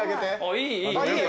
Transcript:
いいよいいよ。